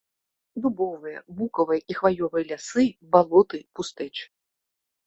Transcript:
Дубовыя, букавыя і хваёвыя лясы, балоты, пустэчы.